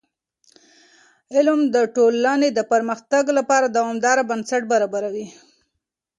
علم د ټولنې د پرمختګ لپاره دوامداره بنسټ برابروي.